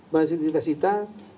berhasil kita sita